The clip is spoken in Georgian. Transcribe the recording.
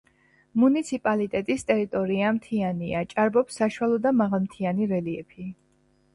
მუნიციპალიტეტის ტერიტორია მთიანია, ჭარბობს საშუალო და მაღალმთიანი რელიეფი.